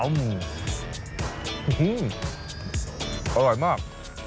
แม่เล็กครับ